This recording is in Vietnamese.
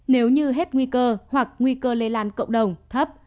nếu như hết nguy cơ hoặc nguy cơ lây lan cộng đồng thấp